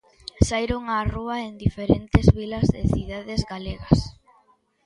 Saíron á rúa en diferentes vilas e cidades galegas.